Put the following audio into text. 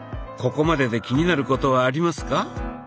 ここまでで気になることはありますか？